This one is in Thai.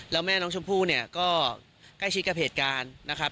แล้วแม่น้องชมพู่เนี่ยก็ใกล้ชิดกับเหตุการณ์นะครับ